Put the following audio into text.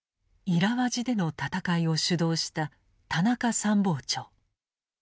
イラワジでの戦いを主導した田中参謀長。